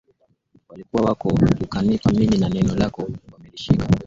walikuwa wako ukanipa mimi na neno lako wamelishika